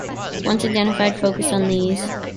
Once identified focus on these.